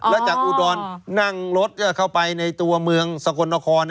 แล้วจากอุดรนั่งรถก็เข้าไปในตัวเมืองสกลนคร